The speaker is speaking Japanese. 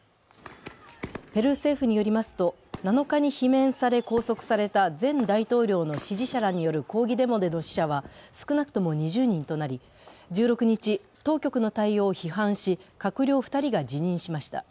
ペルー政府によりますと７日に罷免され拘束された前大統領の支持者らによる抗議デモでの死者は少なくとも２０人となり１６日、当局の対応を批判し、閣僚２人が辞任しました。